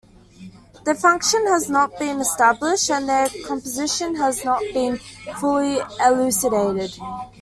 Their function has not been established, and their composition has not been fully elucidated.